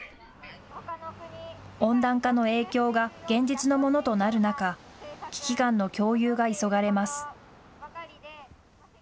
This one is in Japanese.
温暖化の影響が現実のものとなる中、危機感の共有が急がれます。